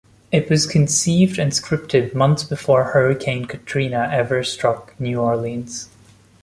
It was conceived and scripted months before Hurricane Katrina ever struck New Orleans.